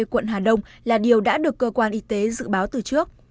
quận hà đông là điều đã được cơ quan y tế dự báo từ trước